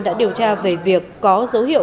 đã điều tra về việc có dấu hiệu